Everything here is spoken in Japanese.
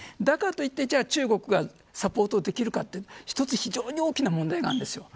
だからといって中国がサポートできるかって一つ、非常に大きな問題があるんです。